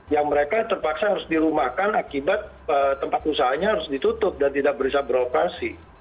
yang mereka terpaksa harus dirumahkan akibat tempat usahanya harus ditutup dan tidak bisa beroperasi